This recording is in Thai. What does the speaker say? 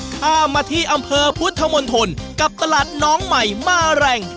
ข้ามมาที่อำเภอพุทธมณฑลกับตลาดน้องใหม่มาแรง